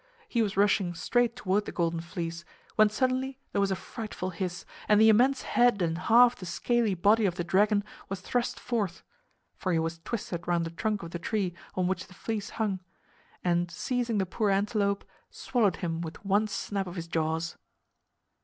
He was rushing straight toward the Golden Fleece, when suddenly there was a frightful hiss and the immense head and half the scaly body of the dragon was thrust forth (for he was twisted round the trunk of the tree on which the fleece hung), and seizing the poor antelope, swallowed him with one snap of his jaws.